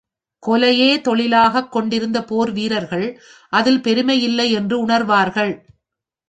கொலையே தொழிலாய்க் கொண்டிருந்த போர் வீரர்கள் அதில் பெருமையில்லை என்று உணர்வார்கள்.